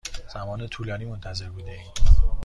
زمان طولانی منتظر بوده ایم.